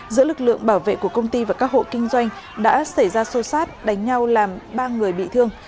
giữa lực lượng bảo vệ của công ty và các hộ kinh doanh đã xảy ra xô xát đánh nhau làm ba người bị thương